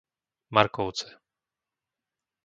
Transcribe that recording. Markovce